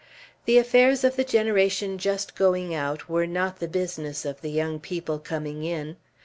The affairs of the generation just going out were not the business of the young people coming in.